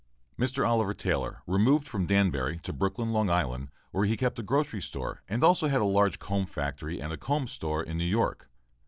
Mr. Oliver Taylor removed from Danbury to Brooklyn, Long Island, where he kept a grocery store and also had a large comb factory and a comb store in New York.